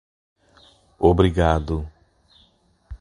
Obrigado.